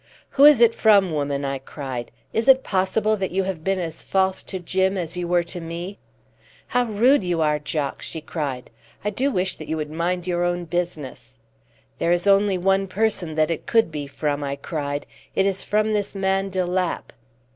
"Who is it from, woman?" I cried. "Is it possible that you have been as false to Jim as you were to me?" "How rude you are, Jock!" she cried. "I do wish that you would mind your own business." "There is only one person that it could be from," I cried. "It is from this man de Lapp!"